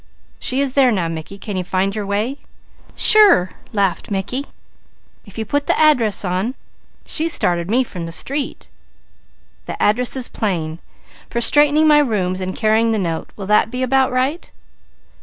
"She is there now, Mickey. Can you find your way?" "Sure!" laughed Mickey. "If you put the address on. She started me from the street." "The address is plain. For straightening my rooms and carrying the note, will that be about right?"